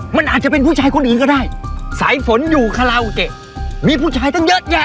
มันอาจจะเป็นผู้ชายคนอื่นก็ได้สายฝนอยู่คาราโอเกะมีผู้ชายตั้งเยอะแยะ